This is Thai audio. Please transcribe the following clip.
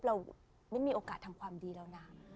เราไม่มีโอกาสทำความดีแล้วนะ